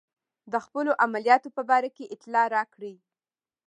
د خپلو عملیاتو په باره کې اطلاع راکړئ.